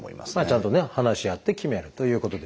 ちゃんとね話し合って決めるということでしょうか。